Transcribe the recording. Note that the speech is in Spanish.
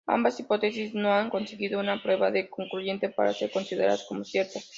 Ambas hipótesis no han conseguido una prueba concluyente para ser consideradas como ciertas.